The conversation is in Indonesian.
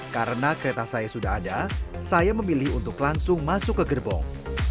karena kereta saya sudah ada saya memilih untuk langsung masuk ke gerbong